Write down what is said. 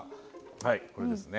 はいこれですね。